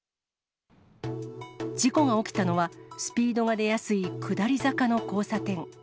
事故が起きたのは、スピードが出やすい下り坂の交差点。